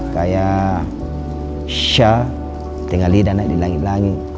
kayak syah tinggal lidah naik di langit langit